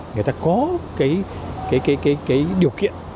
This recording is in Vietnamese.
người ta có điều kiện